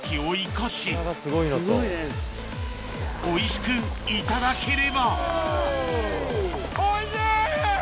・おいしくいただければおいしい！